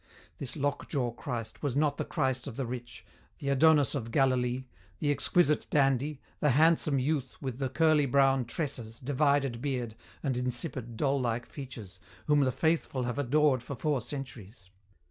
This lockjaw Christ was not the Christ of the rich, the Adonis of Galilee, the exquisite dandy, the handsome youth with the curly brown tresses, divided beard, and insipid doll like features, whom the faithful have adored for four centuries.